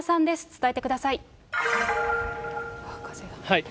伝えてください。